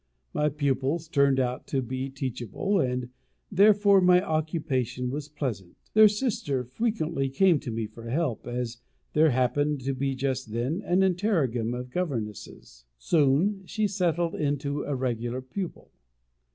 My pupils turned out to be teachable, and therefore my occupation was pleasant. Their sister frequently came to me for help, as there happened to be just then an interregnum of governesses: soon she settled into a regular pupil.